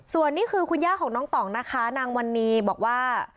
ส่วนนี้คือคุณย่าของน้องต่องนะคะนางวันนี้บอกว่า